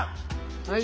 はい。